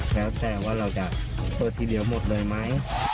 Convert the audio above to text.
แล้วแต่ว่าเราจะเปิดทีเดียวหมดเลยไหม